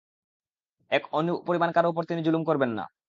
এক অণুপরিমাণ কারো উপর তিনি জুলুম করবেন না।